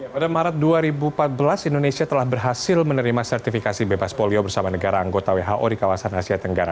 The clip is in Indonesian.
pada maret dua ribu empat belas indonesia telah berhasil menerima sertifikasi bebas polio bersama negara anggota who di kawasan asia tenggara